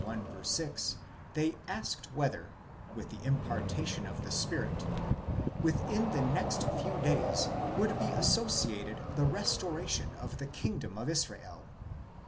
6, they asked whether, with the impartation of the Spirit, within the next few days, would be associated the restoration of the kingdom to Israel.